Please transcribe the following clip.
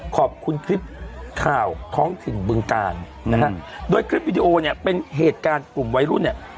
ขอบคุณคลิปข่าวท้องถิ่นบึงกาลนะฮะโดยคลิปวิดีโอเนี่ยเป็นเหตุการณ์กลุ่มวัยรุ่นเนี่ย